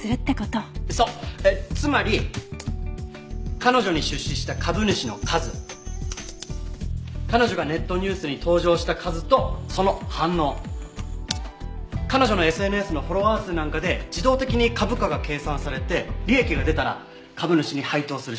彼女に出資した株主の数彼女がネットニュースに登場した数とその反応彼女のＳＮＳのフォロワー数なんかで自動的に株価が計算されて利益が出たら株主に配当する仕組み。